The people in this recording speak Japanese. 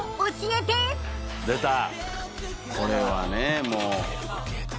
これはねもう。